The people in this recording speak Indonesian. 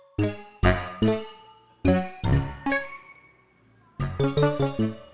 selamat malam ma